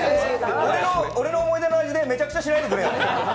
俺の思い出の味でめちゃくちゃしないでくれよ。